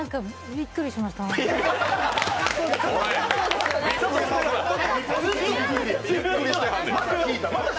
びっくりしてはんねん！